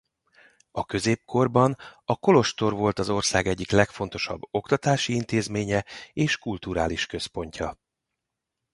A középkorban a kolostor volt az ország egyik legfontosabb oktatási intézménye és kulturális központja.